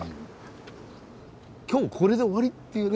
今日これで終わりっていうね。